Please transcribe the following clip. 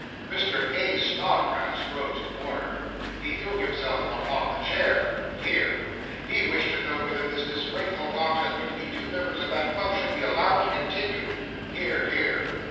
'Mr. A. SNODGRASS rose to order. He threw himself upon the chair. (Hear.) He wished to know whether this disgraceful contest between two members of that club should be allowed to continue. (Hear, hear.)